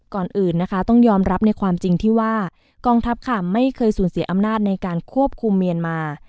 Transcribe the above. ก่อนอื่นนะคะต้องยอมรับในความจริงที่ว่ากองทัพค่ะไม่เคยสูญเสียอำนาจในการควบคุมเมียนมา